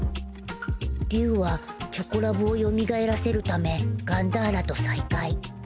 竜はチョコラブをよみがえらせるためガンダーラと再会。